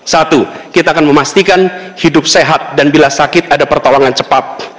satu kita akan memastikan hidup sehat dan bila sakit ada pertolongan cepat